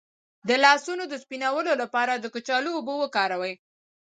د لاسونو د سپینولو لپاره د کچالو اوبه وکاروئ